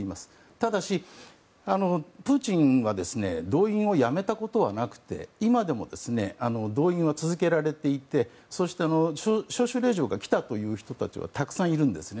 ただし、プーチンは動員をやめたことはなくて今でも動員は続けられていてそして、招集令状が来たという人たちはたくさんいるんですね。